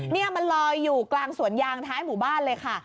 นี่มันลอยอยู่กลางสวนยางท้ายหมู่บ้านเลยค่ะ